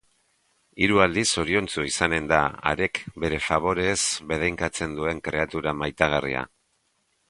Hiru aldiz zoriontsu izanen da harek bere faboreez benedikatzen duen kreatura maitagarria.